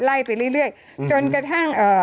ไล่ไปเรื่อยจนกระทั่งเอ่อ